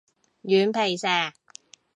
軟皮蛇